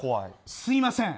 すみません。